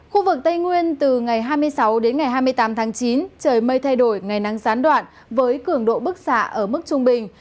khu vực tây nguyên từ ngày hai mươi sáu đến ngày hai mươi tám tháng chín trời mây thay đổi ngày nắng gián đoạn với cường độ bức xạ ở mức trung bình